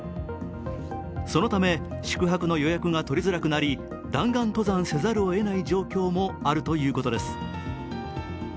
そのため、宿泊の予約が取りづらくなり、弾丸登山せざるをえない状況もあるということです。